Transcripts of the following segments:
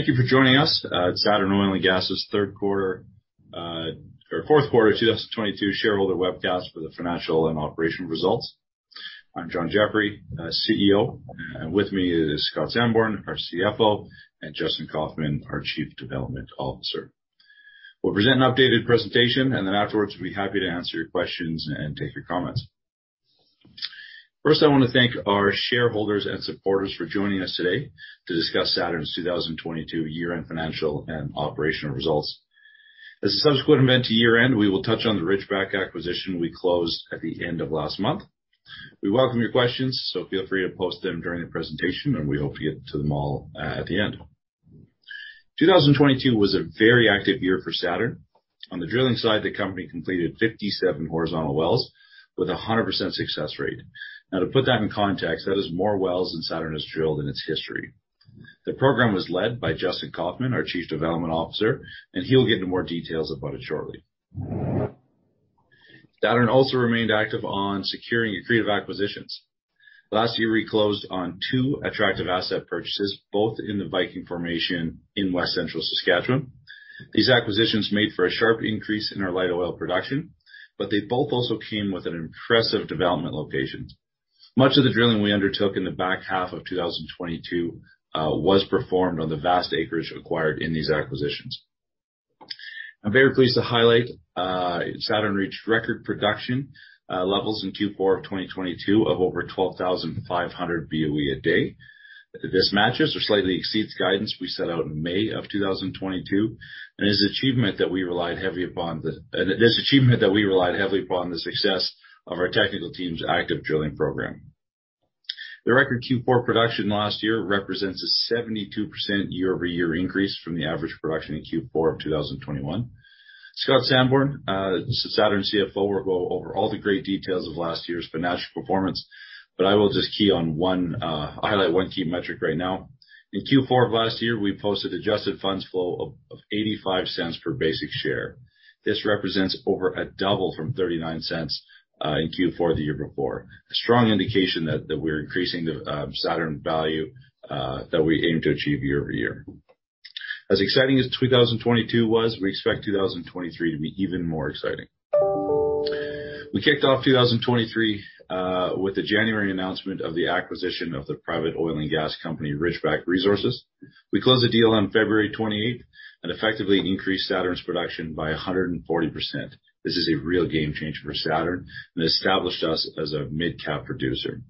Thank you for joining us. Saturn Oil and Gas' Third Quarter or Fourth Quarter 2022 Shareholder Webcast for the financial and operational results. I'm John Jeffrey, CEO. With me is Scott Sanborn, our CFO, and Justin Kaufmann, our Chief Development Officer. We'll present an updated presentation. Afterwards, we'll be happy to answer your questions and take your comments. First, I wanna thank our shareholders and supporters for joining us today to discuss Saturn's 2022 year-end financial and operational results. As a subsequent event to year-end, we will touch on the Ridgeback acquisition we closed at the end of last month. We welcome your questions. Feel free to post them during the presentation, and we hope to get to them all at the end. 2022 was a very active year for Saturn. On the drilling side, the company completed 57 horizontal wells with a 100% success rate. Now, to put that in context, that is more wells than Saturn has drilled in its history. The program was led by Justin Kaufmann, our Chief Development Officer, and he'll get into more details about it shortly. Saturn also remained active on securing accretive acquisitions. Last year, we closed on two attractive asset purchases, both in the Viking Formation in West Central Saskatchewan. These acquisitions made for a sharp increase in our light oil production, but they both also came with an impressive development location. Much of the drilling we undertook in the back half of 2022 was performed on the vast acreage acquired in these acquisitions. I'm very pleased to highlight, Saturn reached record production levels in Q4 of 2022 of over 12,500 BOE a day. This matches or slightly exceeds guidance we set out in May of 2022. This achievement that we relied heavily upon the success of our technical team's active drilling program. The record Q4 production last year represents a 72% YoY increase from the average production in Q4 of 2021. Scott Sanborn, Saturn's CFO, will go over all the great details of last year's financial performance, but I will just key on one, highlight one key metric right now. In Q4 of last year, we posted adjusted funds flow of 0.85 per basic share. This represents over a double from 0.39 in Q4 the year before. A strong indication that we're increasing the Saturn value that we aim to achieve YoY. As exciting as 2022 was, we expect 2023 to be even more exciting. We kicked off 2023 with the January announcement of the acquisition of the private oil and gas company, Ridgeback Resources. We closed the deal on February 28th, and effectively increased Saturn's production by 140%. This is a real game changer for Saturn and established us as a midcap producer.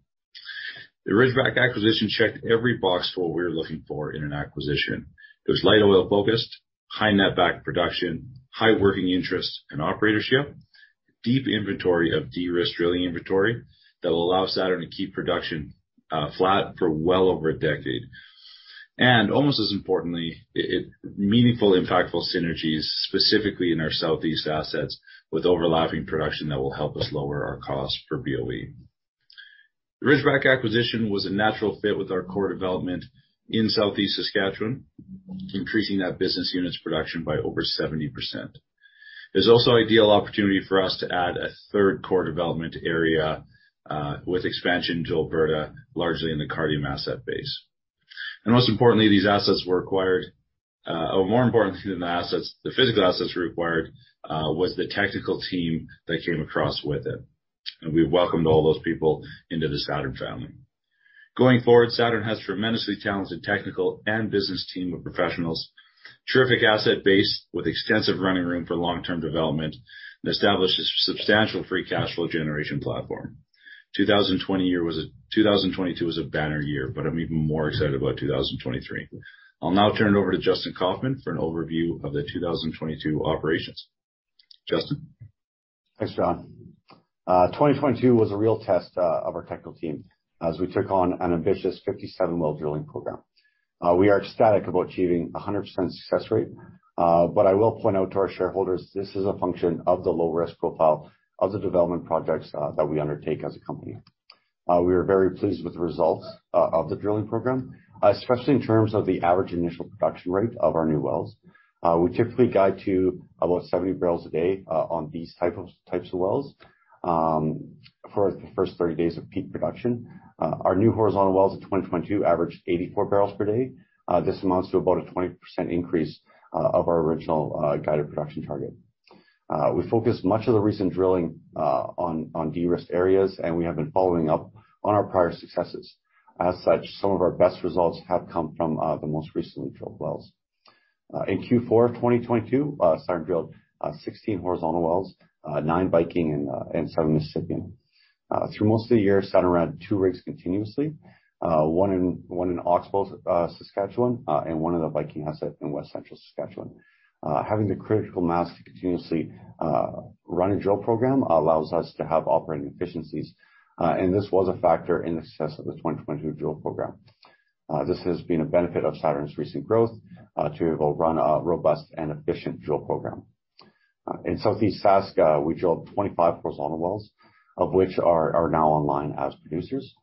The Ridgeback acquisition checked every box for what we were looking for in an acquisition. It was light oil-focused, high netback production, high working interest and operatorship, deep inventory of de-risked drilling inventory that will allow Saturn to keep production flat for well over a decade. Almost as importantly, it meaningful, impactful synergies, specifically in our southeast assets with overlapping production that will help us lower our cost per BOE. The Ridgeback acquisition was a natural fit with our core development in Southeast Saskatchewan, increasing that business unit's production by over 70%. There's also ideal opportunity for us to add a third core development area, with expansion to Alberta, largely in the Cardium asset base. Most importantly, these assets were acquired, or more importantly than the assets, the physical assets were acquired, was the technical team that came across with it, and we welcomed all those people into the Saturn family. Going forward, Saturn has tremendously talented technical and business team of professionals, terrific asset base with extensive running room for long-term development, and establishes substantial free cash flow generation platform. 2022 was a banner year, but I'm even more excited about 2023. I'll now turn it over to Justin Kaufmann for an overview of the 2022 operations. Justin. Thanks, John. 2022 was a real test of our technical team as we took on an ambitious 57 well drilling program. We are ecstatic about achieving a 100% success rate. I will point out to our shareholders this is a function of the low risk profile of the development projects that we undertake as a company. We are very pleased with the results of the drilling program, especially in terms of the average initial production rate of our new wells. We typically guide to about 70 barrels a day on these types of wells for the first 30 days of peak production. Our new horizontal wells in 2022 averaged 84 barrels per day. This amounts to about a 20% increase of our original guided production target. We focused much of the recent drilling on de-risk areas, and we have been following up on our prior successes. As such, some of our best results have come from the most recently drilled wells. In Q4 of 2022, Saturn drilled 16 horizontal wells, nine Viking and seven Mississippian. Through most of the year, Saturn ran two rigs continuously, one in Oxbow, Saskatchewan, and one in the Viking asset in West Central Saskatchewan. Having the critical mass to continuously run a drill program allows us to have operating efficiencies, and this was a factor in the success of the 2022 drill program. This has been a benefit of Saturn's recent growth to run a robust and efficient drill program. In Southeast Saskatchewan, we drilled 25 horizontal wells, of which are now online as producers.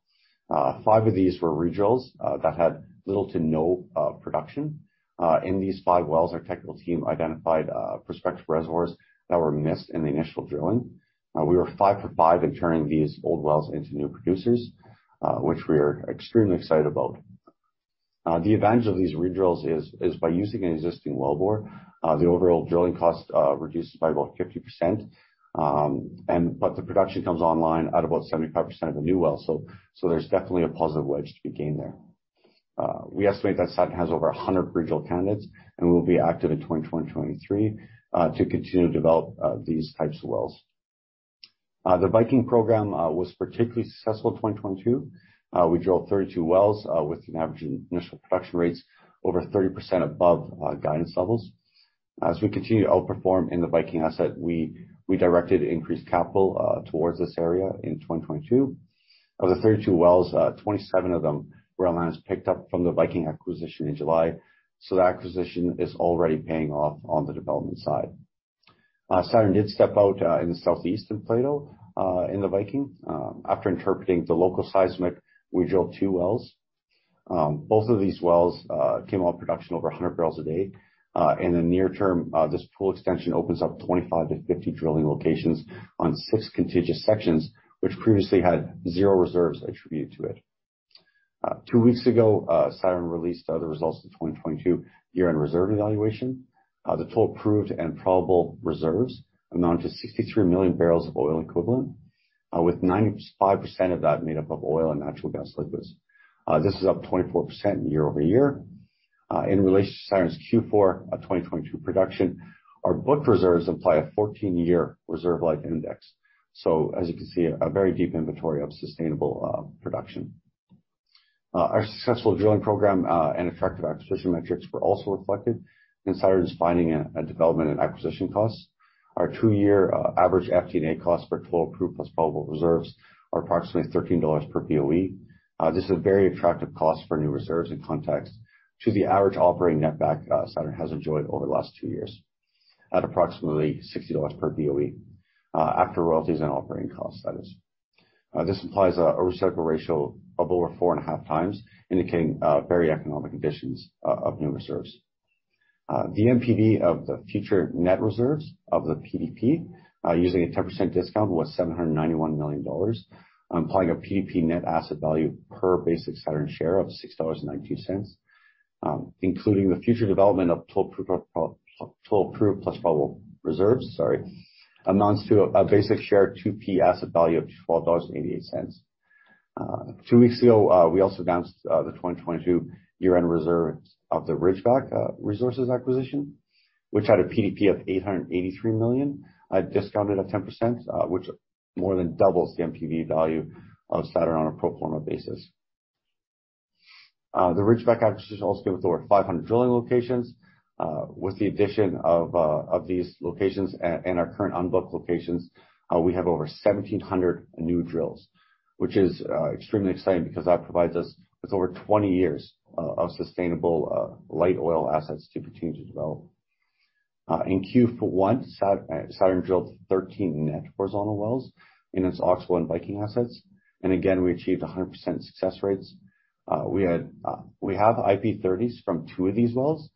Five of these were re-drills that had little to no production. In these five wells, our technical team identified prospective reservoirs that were missed in the initial drilling. We were five for five in turning these old wells into new producers, which we are extremely excited about. The advantage of these re-drills is by using an existing wellbore, the overall drilling cost reduces by about 50%, but the production comes online at about 75% of the new well. There's definitely a positive wedge to be gained there. We estimate that Saturn has over 100 re-drill candidates, and we will be active in 2021, 2023 to continue to develop these types of wells. The Viking program was particularly successful in 2022. We drilled 32 wells with an average initial production rates over 30% above guidance levels. As we continue to outperform in the Viking asset, we directed increased capital towards this area in 2022. Of the 32 wells, 27 of them were lands picked up from the Viking acquisition in July. That acquisition is already paying off on the development side. Saturn did step out in the southeast of Plato in the Viking. After interpreting the local seismic, we drilled two wells. Both of these wells came out production over 100 barrels a day. In the near term, this pool extension opens up 25-50 drilling locations on six contiguous sections, which previously had zero reserves attributed to it. Two weeks ago, Saturn released the results of 2022 year-end reserve evaluation. The total proved and probable reserves amount to 63 million barrels of oil equivalent, with 95% of that made up of oil and natural gas liquids. This is up 24% YoY. In relation to Saturn's Q4 of 2022 production, our book reserves imply a 14-year reserve life index. As you can see, a very deep inventory of sustainable production. Our successful drilling program and effective acquisition metrics were also reflected in Saturn's finding and development and acquisition costs. Our two-year average FD&A costs for total proof plus probable reserves are approximately 13 dollars per BOE. This is a very attractive cost for new reserves in context to the average operating netback Saturn has enjoyed over the last two years at approximately $60 per BOE after royalties and operating costs, that is. This implies a reciprocal ratio of over 4.5 times, indicating very economic conditions of new reserves. The NPV of the future net reserves of the PDP using a 10% discount was $791 million, implying a PDP net asset value per basic Saturn share of $6.19. Including the future development of total proved plus probable reserves, sorry, amounts to a basic share 2P asset value of $12.88. Two weeks ago, we also announced the 2022 year-end reserves of the Ridgeback Resources acquisition, which had a PDP of 883 million, discounted at 10%, which more than doubles the PDP value of Saturn on a pro forma basis. The Ridgeback acquisition also came with over 500 drilling locations. With the addition of these locations and our current unbooked locations, we have over 1,700 new drills, which is extremely exciting because that provides us with over 20 years of sustainable light oil assets to continue to develop. In Q1, Saturn drilled 13 net horizontal wells in its Oxbow and Viking assets. Again, we achieved 100% success rates. We have IP30s from two of these wells.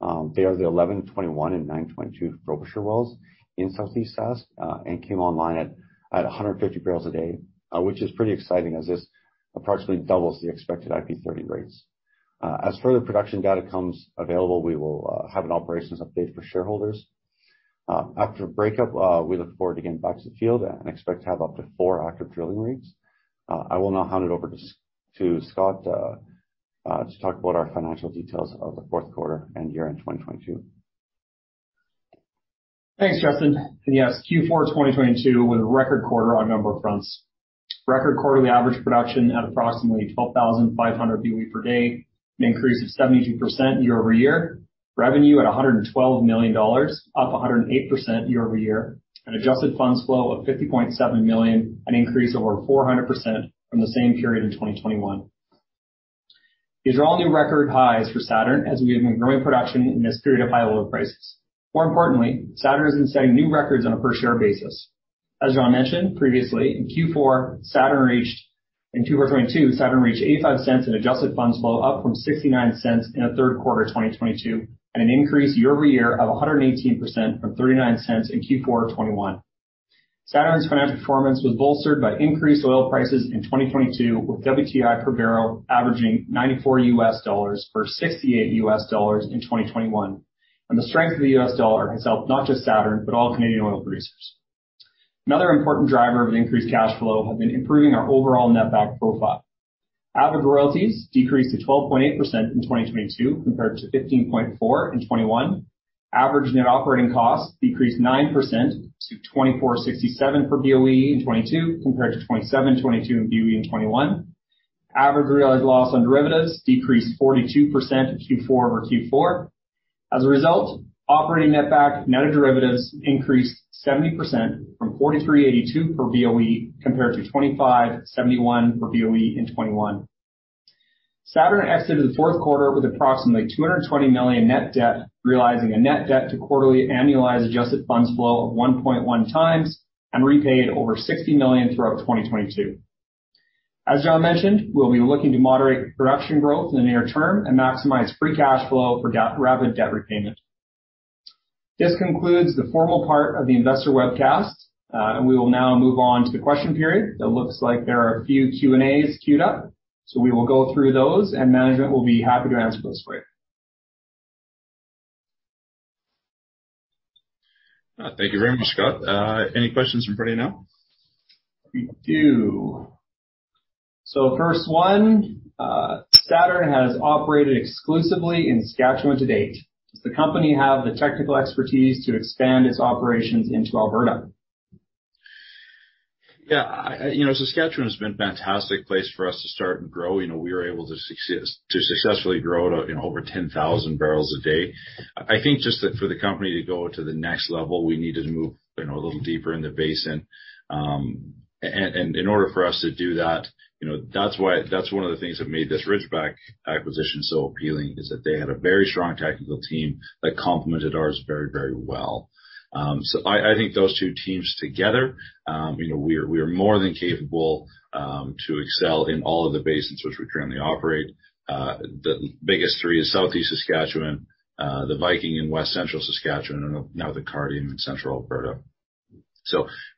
They are the 1121 and 922 Frobisher wells in Southeast Saskatchewan, and came online at 150 barrels a day, which is pretty exciting as this approximately doubles the expected IP30 rates. As further production data comes available, we will have an operations update for shareholders. After breakup, we look forward to getting back to the field and expect to have up to four active drilling rigs. I will now hand it over to Scott, to talk about our financial details of the fourth quarter and year-end 2022. Thanks, Justin. Yes, Q4 2022 was a record quarter on a number of fronts. Record quarterly average production at approximately 12,500 BOE per day, an increase of 72% YoY. Revenue at 112 million dollars, up 108% YoY. Adjusted funds flow of 50.7 million, an increase over 400% from the same period in 2021. These are all new record highs for Saturn as we have been growing production in this period of high oil prices. More importantly, Saturn has been setting new records on a per share basis. As John mentioned previously, in Q4, in 2022, Saturn reached $0.85 in adjusted funds flow, up from $0.69 in the third quarter of 2022, an increase YoY of 118% from $0.39 in Q4 of 2021. Saturn's financial performance was bolstered by increased oil prices in 2022, with WTI per barrel averaging $94, versus $68 in 2021. The strength of the US dollar has helped not just Saturn, but all Canadian oil producers. Another important driver of increased cash flow have been improving our overall netback profile. Average royalties decreased to 12.8% in 2022 compared to 15.4% in 2021. Average net operating costs decreased 9% to 24.67 per BOE in 2022 compared to 27.22 in BOE in 2021. Average realized loss on derivatives decreased 42% in Q4 over Q4. Operating netback net of derivatives increased 70% from 43.82 per BOE compared to 25.71 per BOE in 2021. Saturn exited the fourth quarter with approximately 220 million net debt, realizing a net debt to quarterly annualized adjusted funds flow of 1.1 times and repaid over 60 million throughout 2022. John mentioned, we'll be looking to moderate production growth in the near term and maximize free cash flow for rapid debt repayment. This concludes the formal part of the investor webcast, we will now move on to the question period. It looks like there are a few Q&As queued up. We will go through those. Management will be happy to answer those for you. Thank you very much, Scott. Any questions from everybody now? We do. First one, Saturn has operated exclusively in Saskatchewan to date. Does the company have the technical expertise to expand its operations into Alberta? Yeah. You know, Saskatchewan has been a fantastic place for us to start and grow. You know, we were able to successfully grow to, you know, over 10,000 barrels a day. I think just that for the company to go to the next level, we needed to move, you know, a little deeper in the basin. In order for us to do that, you know, that's one of the things that made this Ridgeback acquisition so appealing, is that they had a very strong technical team that complemented ours very, very well. I think those two teams together, you know, we are, we are more than capable to excel in all of the basins which we currently operate. The biggest three is Southeast Saskatchewan, the Viking in West Central Saskatchewan, and now the Cardium in Central Alberta.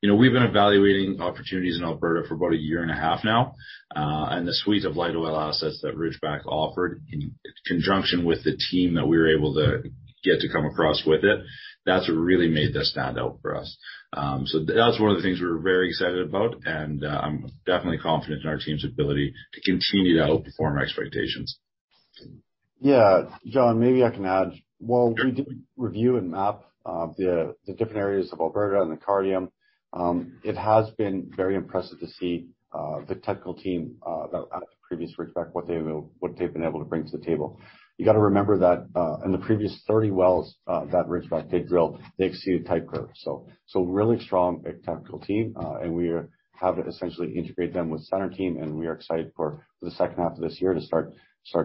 You know, we've been evaluating opportunities in Alberta for about a year and a half now. And the suite of light oil assets that Ridgeback offered in conjunction with the team that we were able to get to come across with it, that's what really made that stand out for us. That was one of the things we were very excited about, and I'm definitely confident in our team's ability to continue to outperform expectations. Yeah. John, maybe I can add. While we did review and map, the different areas of Alberta and the Cardium, it has been very impressive to see, the technical team, out at the previous Ridgeback, what they've been able to bring to the table. You gotta remember that, in the previous 30 wells, that Ridgeback did drill, they exceeded type curve, so really strong, big technical team. We have essentially integrated them with Saturn team, and we are excited for the second half of this year to start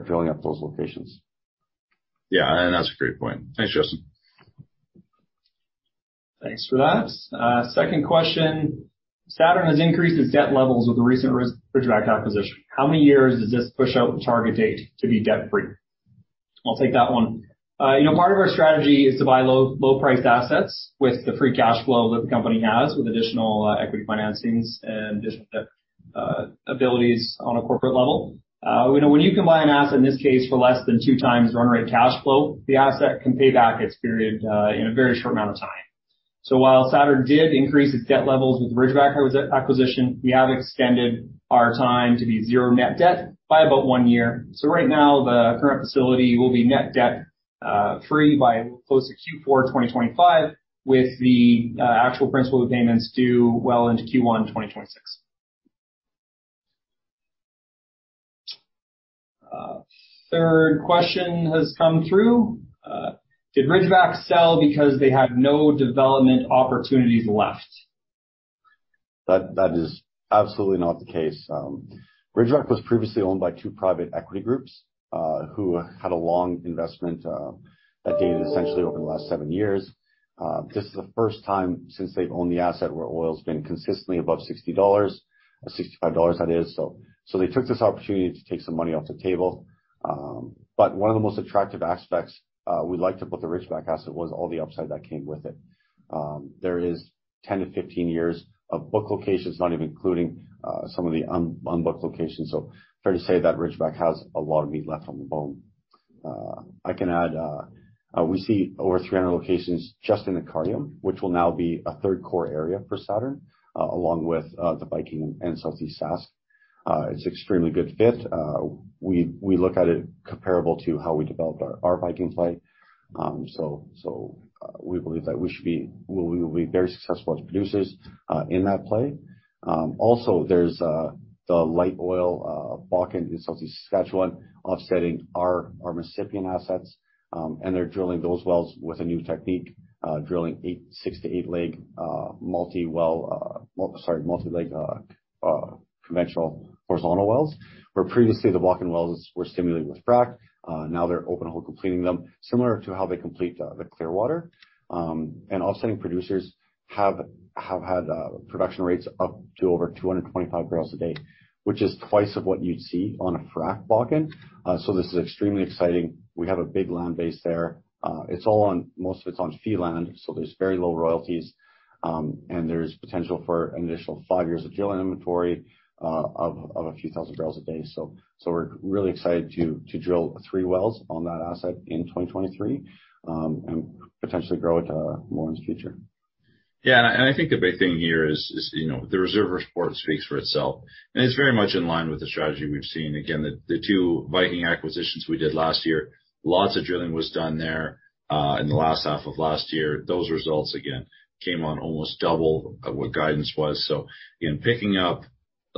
drilling up those locations. Yeah, that's a great point. Thanks, Justin. Thanks for that. Second question, Saturn has increased its debt levels with the recent Ridgeback acquisition. How many years does this push out the target date to be debt-free? I'll take that one. You know, part of our strategy is to buy low, low-priced assets with the free cash flow that the company has, with additional equity financings and additional abilities on a corporate level. You know, when you can buy an asset, in this case, for less than two times the run rate cash flow, the asset can pay back its period in a very short amount of time. While Saturn did increase its debt levels with the Ridgeback acquisition, we have extended our time to be zero net debt by about one year. Right now, the current facility will be net debt free by close to Q4 2025, with the actual principal repayments due well into Q1 2026. Third question has come through. Did Ridgeback sell because they had no development opportunities left? That is absolutely not the case. Ridgeback was previously owned by two private equity groups, who had a long investment, that dated essentially over the last seven years. This is the first time since they've owned the asset where oil's been consistently above $60, $65 that is. They took this opportunity to take some money off the table. One of the most attractive aspects, we liked about the Ridgeback asset was all the upside that came with it. There is 10-15 years of book locations, not even including, some of the unbooked locations. Fair to say that Ridgeback has a lot of meat left on the bone. I can add, we see over 300 locations just in the Cardium, which will now be a third core area for Saturn, along with the Viking and Southeast Saskatchewan. It's extremely good fit. We look at it comparable to how we developed our Viking play. We believe that we will be very successful as producers in that play. Also there's the light oil Bakken in Southeast Saskatchewan offsetting our Mississippian assets. They're drilling those wells with a new technique, drilling six to eight leg multi-leg conventional horizontal wells. Where previously the Bakken wells were stimulated with frack, now they're open hole completing them, similar to how they complete the Clearwater. Offsetting producers have had production rates up to over 225 barrels a day, which is twice of what you'd see on a frack Bakken. This is extremely exciting. We have a big land base there. Most of it's on fee land, so there's very low royalties. There's potential for an additional five years of drilling inventory, of a few thousand barrels a day. We're really excited to drill three wells on that asset in 2023, and potentially grow it, more in the future. I think the big thing here is, you know, the reserve report speaks for itself, and it's very much in line with the strategy we've seen. The two Viking acquisitions we did last year, lots of drilling was done there in the last half of last year. Those results again came on almost double of what guidance was. Picking up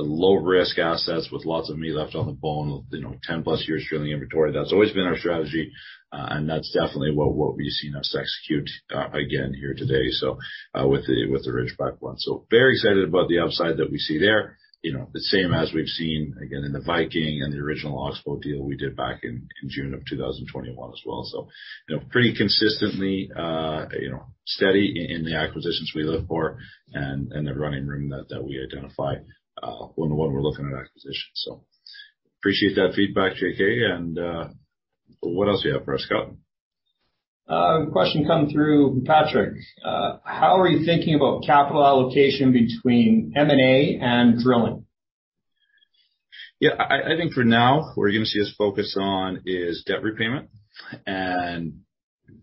low-risk assets with lots of meat left on the bone, you know, 10+ years drilling inventory, that's always been our strategy. That's definitely what we see us execute again here today with the Ridgeback one. Very excited about the upside that we see there. You know, the same as we've seen again in the Viking and the original Oxbow deal we did back in June of 2021 as well. You know, pretty consistently, you know, steady in the acquisitions we look for and the running room that we identify, when we're looking at acquisitions. Appreciate that feedback, JK, and what else you have for us, Scott? Question come through Patrick. How are you thinking about capital allocation between M&A and drilling? Yeah. I think for now, where you're gonna see us focus on is debt repayment.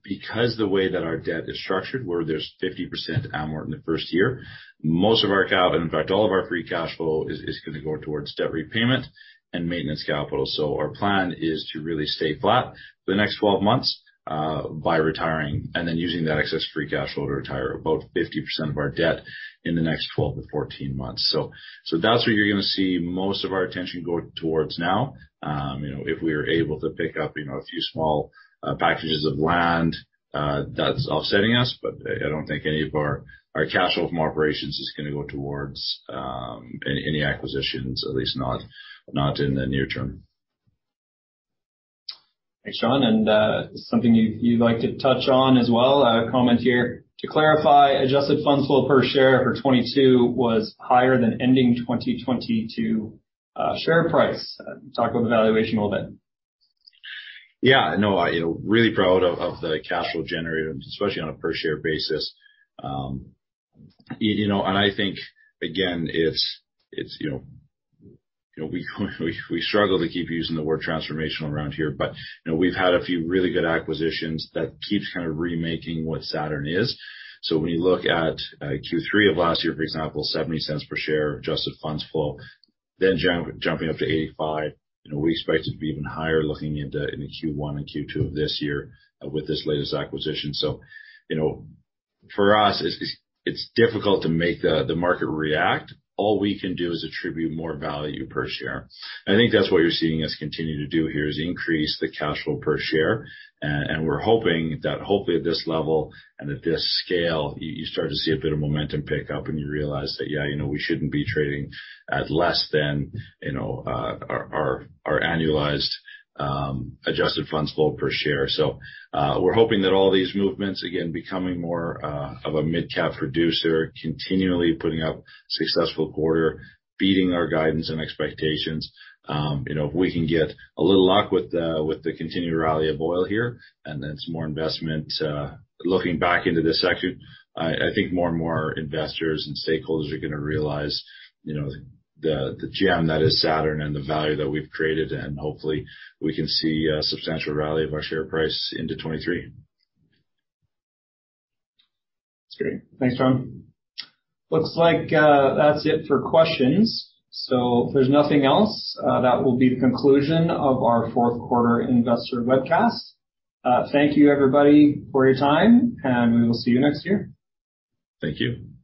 Because the way that our debt is structured, where there's 50% amort in the first year, most of our, in fact, all of our free cash flow is gonna go towards debt repayment and maintenance capital. Our plan is to really stay flat for the next 12 months by retiring and then using that excess free cash flow to retire about 50% of our debt in the next 12 to 14 months. That's where you're gonna see most of our attention go towards now. You know, if we are able to pick up, you know, a few small packages of land that's offsetting us, I don't think any of our cash flow from operations is gonna go towards any acquisitions, at least not in the near term. Thanks, John. Something you'd like to touch on as well, a comment here. To clarify, adjusted funds flow per share for 2022 was higher than ending 2022 share price. Talk about the valuation a little bit. Yeah. No, you know, really proud of the cash flow generated, especially on a per share basis. You know, and I think again, it's, you know, we struggle to keep using the word transformational around here, but, you know, we've had a few really good acquisitions that keeps kind of remaking what Saturn is. When you look at Q3 of last year, for example, 0.70 per share of adjusted funds flow, then jumping up to 0.85. You know, we expect it to be even higher looking into Q1 and Q2 of this year with this latest acquisition. You know, for us, it's difficult to make the market react. All we can do is attribute more value per share. I think that's what you're seeing us continue to do here is increase the cash flow per share. We're hoping that hopefully at this level and at this scale, you start to see a bit of momentum pick up, and you realize that, yeah, you know, we shouldn't be trading at less than, you know, our annualized adjusted funds flow per share. We're hoping that all these movements, again, becoming more of a midcap producer, continually putting out successful quarter, beating our guidance and expectations, you know, if we can get a little luck with the continued rally of oil here, and then some more investment, looking back into this section, I think more and more investors and stakeholders are gonna realize, you know, the gem that is Saturn and the value that we've created, and hopefully we can see a substantial rally of our share price into 2023. That's great. Thanks, John. Looks like that's it for questions. If there's nothing else, that will be the conclusion of our Fourth Quarter Investor Webcast. Thank you, everybody, for your time, and we will see you next year. Thank you.